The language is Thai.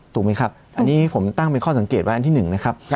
ถูกไหมครับอันนี้ผมตั้งเป็นข้อสังเกตไว้อันที่๑นะครับ